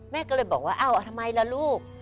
แม่ก็เลยบอกว่าอ้าวทำไมล่ะลูก